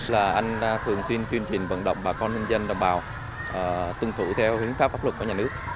là anh thường xuyên tuyên truyền vận động bà con nhân dân đồng bào tương thủ theo hướng pháp pháp luật của nhà nước